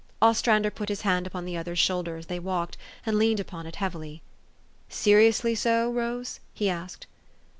Ostrander put his hand upon the other's shoulder as they walked, and leaned upon it heavily. " Seriously so, Rose? " he asked.